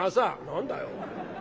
「何だよ！